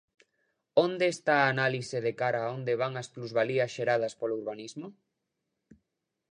¿Onde está a análise de cara a onde van as plusvalías xeradas polo urbanismo?